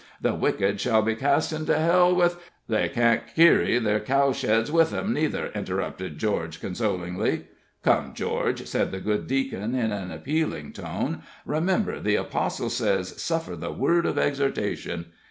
"The wicked shall be cast into hell, with " "They can't kerry their cow sheds with 'em, neither," interrupted George, consolingly. "Come, George," said the good Deacon, in an appealing tone, "remember the apostle says, 'Suffer the word of exhortation.'"